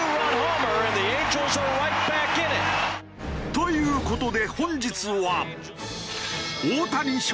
という事で本日は。